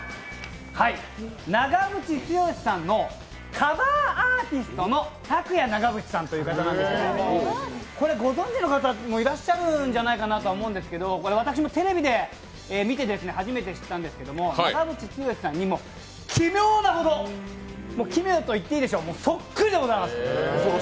長渕剛さんのカバーアーティストのＴａｋｕｙａＮａｇａｂｕｃｈｉさんなんですがこれ、ご存じの方もいっしゃるんじゃないかと思うんですけど、私もテレビで見て、初めて知ったんですけど、長渕剛さんにも奇妙なほどそっくりでございます！